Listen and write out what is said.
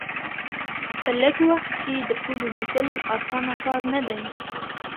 په لږ وخت کې د ټولو لیدل اسانه کار نه دی.